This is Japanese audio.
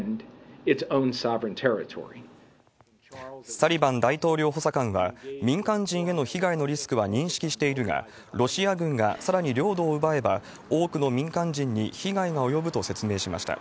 サリバン大統領補佐官は、民間人への被害のリスクは認識しているが、ロシア軍がさらに領土を奪えば多くの民間人に被害が及ぶと説明しました。